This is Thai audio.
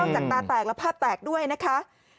จากตาแตกแล้วภาพแตกด้วยนะคะ